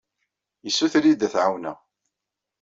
Yessuter-iyi-d ad t-ɛawneɣ.